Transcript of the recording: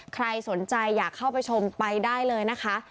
ใครสนใจอยากเข้าไปชมไปได้เลยนะคะ